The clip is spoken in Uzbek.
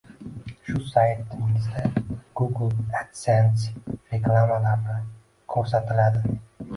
Shu say-tingizda Google adsense reklamalari ko’rsatiladi